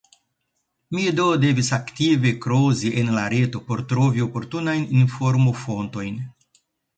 Mi do devis aktive krozi en la reto por trovi oportunajn informofontojn.